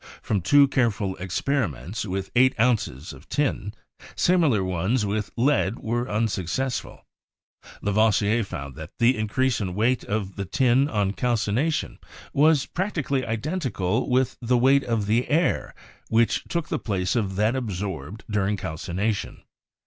From two careful experiments with eight ounces of tin — similar ones with lead were unsuccessful — Lavoisier found that the increase in weight of the tin on cajcinatioa was 154 CHEMISTRY practically identical with the weight of air which took the place of that absorbed during calcination.